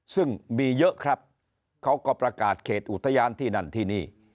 ซึ่งมีเยอะครับเขาก็ประกาศเขตอุทยานที่นั่นที่นี่